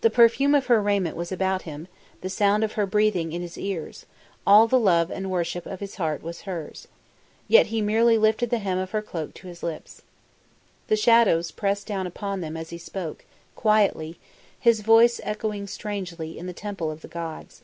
The perfume of her raiment was about him, the sound of her breathing in his ears; all the love and worship of his heart was hers. Yet he merely lifted the hem of her cloak to his lips. The shadows pressed down upon them as he spoke, quietly, his voice echoing strangely in the Temple of the Gods.